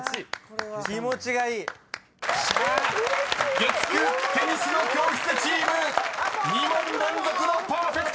［月９女神の教室チーム２問連続のパーフェクト！］